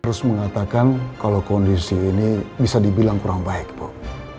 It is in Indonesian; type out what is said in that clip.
terus mengatakan kalau kondisi ini bisa dibilang kurang baik bu